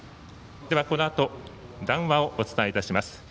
このあと談話をお伝えいたします。